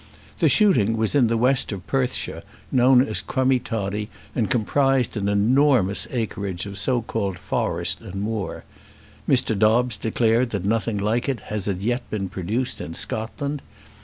The shooting was in the west of Perthshire, known as Crummie Toddie, and comprised an enormous acreage of so called forest and moor. Mr. Dobbes declared that nothing like it had as yet been produced in Scotland.